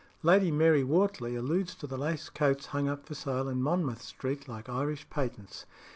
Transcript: Lady Mary Wortley alludes to the lace coats hung up for sale in Monmouth Street like Irish patents.